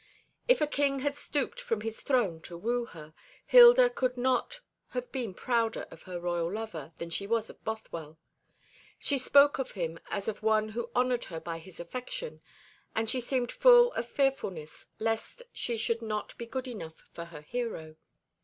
If a king had stooped from his throne to woo her, Hilda could not have been prouder of her royal lover than she was of Bothwell. She spoke of him as of one who honoured her by his affection, and she seemed full of fearfulness lest she should not be good enough for her hero.